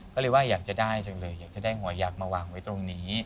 ก็เลยว่าอยากจะได้จังเลยอยากจะได้หัวยักษ์มาวางไว้ตรงนี้